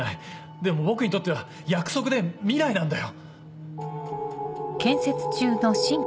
でも僕にとっては約束で未来なんだよ。